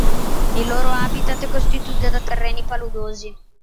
Il loro habitat è costituito da terreni paludosi.